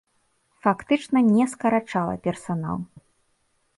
Фактычна не скарачала персанал.